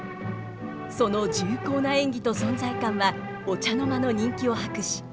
その重厚な演技と存在感はお茶の間の人気を博し